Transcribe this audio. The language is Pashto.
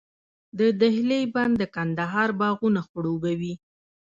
د دهلې بند د کندهار باغونه خړوبوي.